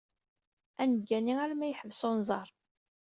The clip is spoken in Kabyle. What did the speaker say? Ad neggani arma yeḥbes unẓar.